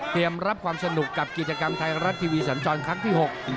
เตรียมรับความสนุกกับกิจกรรมไทยรัตน์ทีวีสัญจรคลักษณ์ที่หก